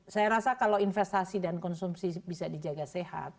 saya rasa kalau investasi dan konsumsi bisa dijaga sehat